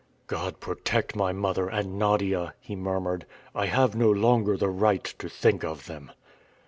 "God protect my mother and Nadia!" he murmured. "I have no longer the right to think of them!"